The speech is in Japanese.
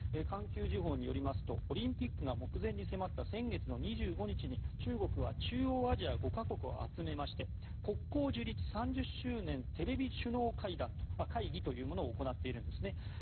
環球時報によりますとオリンピックが目前に迫った先月２５日に中国は中央アジア５か国を集めまして国交樹立３０周年テレビ首脳会議というものを行っているんです。